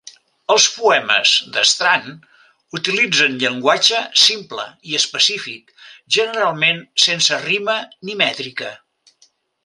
Els poemes d'Strand utilitzen llenguatge simple i específic, generalment sense rima ni mètrica.